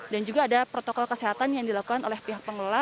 dan juga ada protokol kesehatan yang dilakukan oleh pihak pengelola